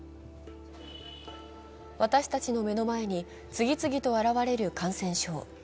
私たちの目の前に次々と現れる感染症。